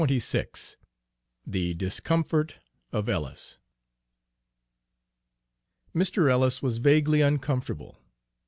XXVI THE DISCOMFORT OF ELLIS Mr. Ellis was vaguely uncomfortable.